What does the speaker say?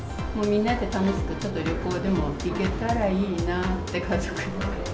みんなで楽しく、ちょっと旅行でも行けたらいいなって、家族で。